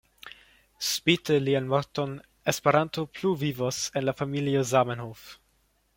Spite lian morton Esperanto plu vivos en la familio Zamenhof.